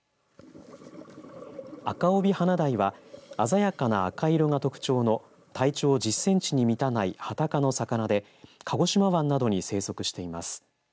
アカオビハナダイは鮮やかな赤色が特徴の体長１０センチに満たないハタ科の魚で鹿児島湾などに生息しています。